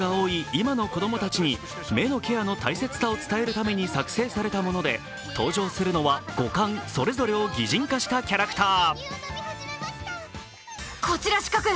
今の子供たちに目のケアの大切さを伝えるために作成されたもので登場するのは五感それぞれを擬人化したキャラクター。